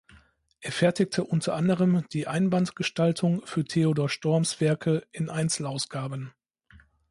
Er fertigte unter anderem die Einbandgestaltung für Theodor Storms Werke in Einzelausgaben.